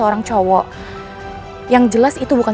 postingan apa sih tadi